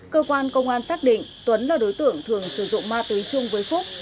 cơ quan công an xác định tuấn là đối tượng thường sử dụng ma túy chung với phúc